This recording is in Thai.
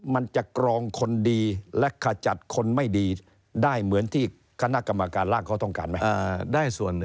มันจะกรองคนดีและขจัดคนไม่ดีได้เหมือนที่คณะกรรมการร่างเขาต้องการไหม